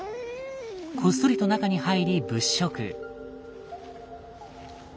こっそりと中に入り物色。